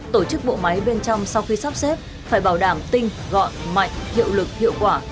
tổ chức bộ máy bên trong sau khi sắp xếp phải bảo đảm tinh gọn mạnh hiệu lực hiệu quả